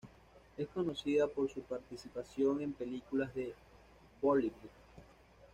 Es conocida por su participación en películas de Bollywood.